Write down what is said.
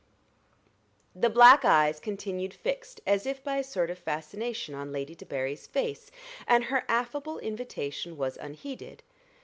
The black eyes continued fixed as if by a sort of fascination on Lady Debarry's face, and her affable invitation was unheeded.